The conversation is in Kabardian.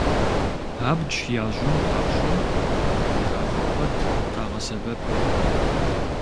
Абдж ящӀын папщӀэ, пшахъуэ куэд къагъэсэбэп.